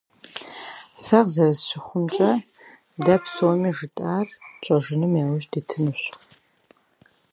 Как мне думается, мы все будем стремиться осуществить то, что мы договорились сделать.